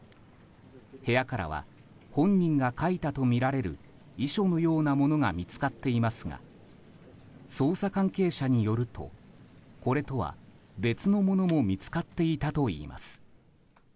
部屋からは本人が書いたとみられる遺書のようなものが見つかっていますが捜査関係者によるとこれとは別のものも見つかっていたといいます。